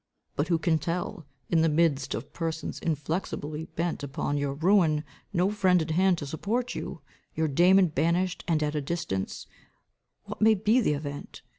But who can tell, in the midst of persons inflexibly bent upon your ruin, no friend at hand to support you, your Damon banished and at a distance, what may be the event?